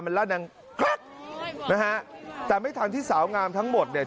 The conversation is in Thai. มันลาดดังกรั๊กนะฮะแต่ไม่ทันที่สาวงามทั้งหมดเนี่ย